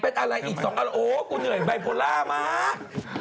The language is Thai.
เป็นอะไรอีก๒อันโอ้กูเหนื่อยไบโพล่ามาก